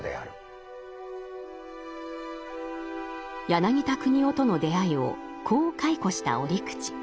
柳田国男との出会いをこう回顧した折口。